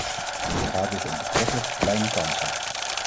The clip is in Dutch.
Het gaat dus om betrekkelijk kleine kansen.